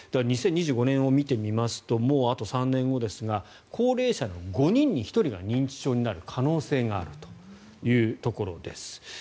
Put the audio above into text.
２０２５年を見てみますともうあと３年後ですが高齢者の５人に１人が認知症になる可能性があるというところです。